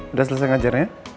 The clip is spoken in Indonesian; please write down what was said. udah selesai ngajarnya